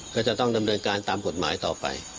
ก็จะต้องดำเนินการตามกฎหมายต่อไป